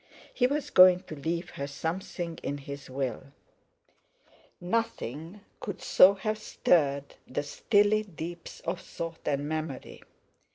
He was going to leave her something in his Will; nothing could so have stirred the stilly deeps of thought and memory.